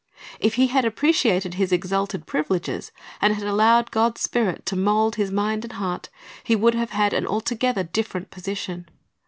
If he had appreciated his exalted privileges, and had allowed God's Spirit to mold his mind and heart, he would have had an altogether different position.